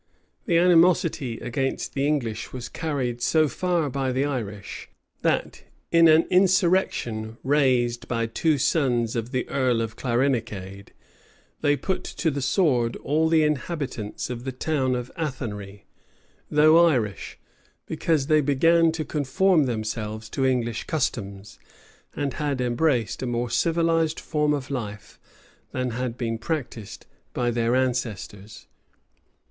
The animosity against the English was carried so far by the Irish, that, in an insurrection raised by two sons of the earl of Clanricarde, they put to the sword all the inhabitants of the town of Athenry, though Irish, because they began to conform themselves to English customs, and had embraced a more civilized form of life than had been practised by their ancestors.